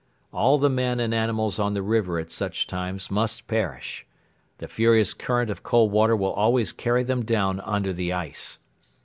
All the men and animals on the river at such times must perish. The furious current of cold water will always carry them down under the ice.